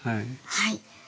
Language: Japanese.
はい。